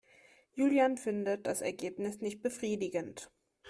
Julian findet das Ergebnis nicht befriedigend.